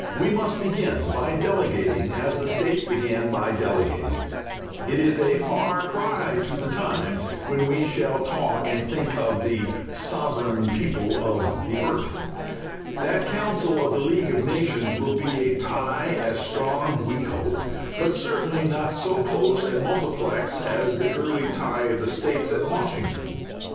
We must begin by delegating, as the States began by delegating. It is a far cry to the time when we shall talk and think of the Sovereign People of the Earth. That council of the League of Nations will be a tie as strong, we hope, but certainly not so close and multiplex as the early tie of the States at Washington.